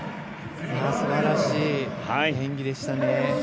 素晴らしい演技でしたね。